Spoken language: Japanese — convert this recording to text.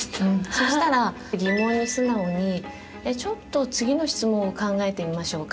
そしたら疑問に素直にちょっと次の質問を考えてみましょうか。